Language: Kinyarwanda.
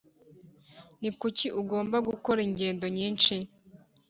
ni kuki? ugomba gukora ingendo nyinshi.